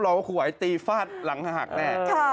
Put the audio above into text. รอบว่าครูไหว้ตีฝาดหลังหหักแน่